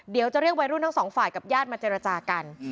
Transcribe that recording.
เดี๋ยวจะเรียกวัยรุ่นทั้งสองฝ่ายกับญาติมาเจรจากัน